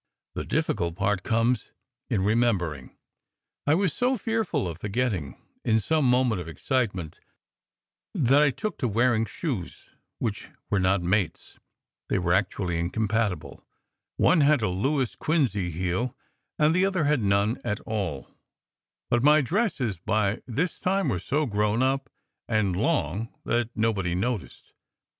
The difficult part comes in remem bering to limp. I was so fearful of forgetting in some mo ment of excitement, that I took to wearing shoes which were not mates. They were actually incompatible. One had a Louis Quinze heel and the other had none at all; but my dresses by this time were so "grown up" and long that nobody noticed.